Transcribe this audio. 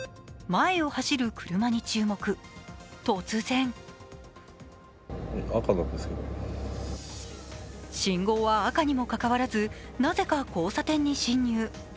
前を走る車に注目、突然信号は赤にもかかわらず、なぜか交差点に進入。